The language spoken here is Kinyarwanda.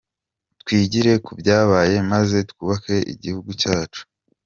Twigire ku byabaye maze twubake igihugu cyacu.